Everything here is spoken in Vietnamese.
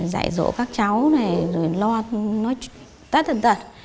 dạy dỗ các cháu này rồi lo nói tất tật tật